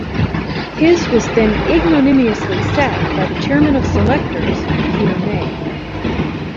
His was then ignominiously sacked by the chairman of selectors, Peter May.